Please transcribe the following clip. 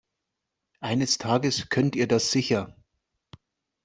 Eines Tages könnt ihr das sicher.